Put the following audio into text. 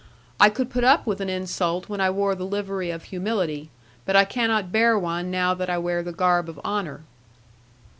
I could put up with an insult when I wore the livery of humility, but I cannot bear one now that I wear the garb of honour."